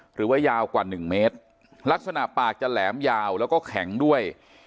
หรือว่ายาวกว่าหนึ่งเมตรลักษณะปากจะแหลมยาวแล้วก็แข็งด้วย